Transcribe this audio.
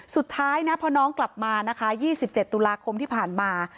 สุดท้ายนะพอน้องกลับมานะคะ๒๗ตุลาคมที่ผ่านมา